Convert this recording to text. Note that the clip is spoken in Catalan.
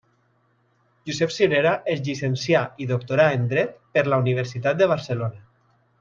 Josep Cirera es llicencià i doctorà en Dret per la Universitat de Barcelona.